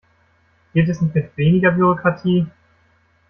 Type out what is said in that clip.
Geht es nicht mit weniger Bürokratie?